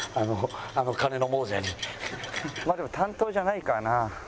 まあでも担当じゃないからな。